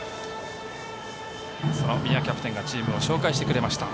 その宮キャプテンがチームを紹介してくれました。